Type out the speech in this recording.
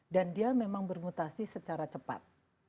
dan dia memang bermutasi secara cepat